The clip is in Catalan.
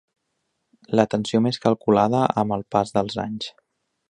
La tensió més calculada, amb el pas dels anys.